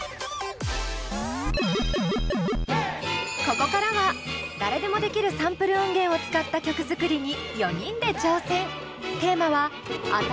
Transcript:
ここからは誰でもできるサンプル音源を使った曲作りに４人で挑戦。